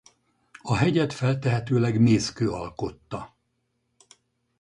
A hegyet feltehetőleg mészkő alkotta.